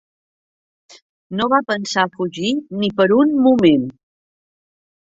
No va pensar a fugir ni per un moment.